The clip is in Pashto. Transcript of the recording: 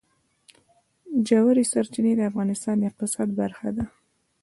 ژورې سرچینې د افغانستان د اقتصاد برخه ده.